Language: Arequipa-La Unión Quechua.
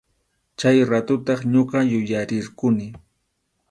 Chay ratutaq ñuqa yuyarirquni.